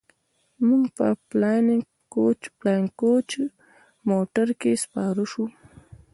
موږ په فلاينګ کوچ موټر کښې سپاره سو.